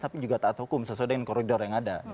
tapi juga taat hukum sesuai dengan koridor yang ada